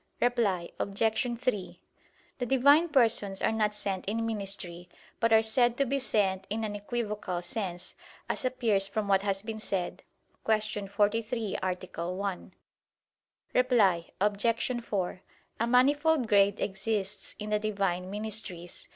Reply Obj. 3: The Divine Persons are not sent in ministry, but are said to be sent in an equivocal sense, as appears from what has been said (Q. 43, A. 1). Reply Obj. 4: A manifold grade exists in the Divine ministries.